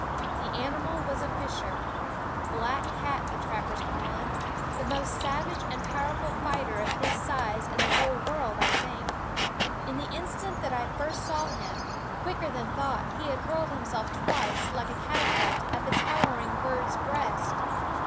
The animal was a fisher black cat the trappers call him the most savage and powerful fighter of his size in the whole world, I think. In the instant that I first saw him, quicker than thought SCHOOL OF 202 Quoskh Keen Eyed he had hurled himself twice, like a catapult, at the towering bird's breast.